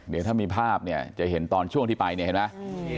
เดี๋ยวถ้ามีภาพเนี่ยจะเห็นตอนช่วงที่ไปเนี่ยเห็นไหม